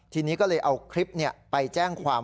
ทีนี้ก็เลยเอาคลิปไปแจ้งความ